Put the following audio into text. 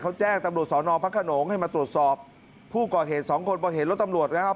เขาแจ้งตำรวจสอนอพระขนงให้มาตรวจสอบผู้ก่อเหตุสองคนพอเห็นรถตำรวจนะครับ